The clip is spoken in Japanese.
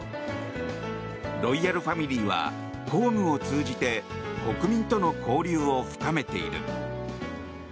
ロイヤルファミリーは公務を通じて国民との交流を深めている。